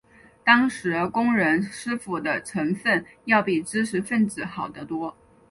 当时工人师傅的成分要比知识分子好得多。